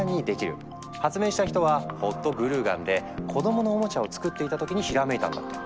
発明した人はホットグルーガンで子供のおもちゃを作っていた時にひらめいたんだって。